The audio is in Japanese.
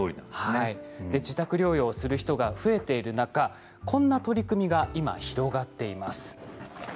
自宅療養している人が増えている中こんな取り組みが今広がっています。